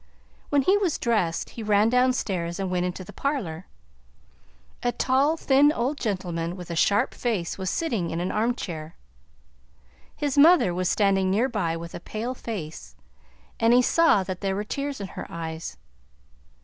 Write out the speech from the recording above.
When he was dressed, he ran downstairs and went into the parlor. A tall, thin old gentleman with a sharp face was sitting in an arm chair. His mother was standing near by with a pale face, and he saw that there were tears in her eyes.